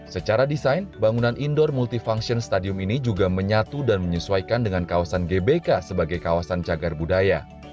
secara desain bangunan indoor multifunction stadium ini juga menyatu dan menyesuaikan dengan kawasan gbk sebagai kawasan cagar budaya